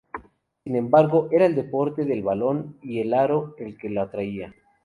Sin embargo, era el deporte del balón y el aro el que le atraía.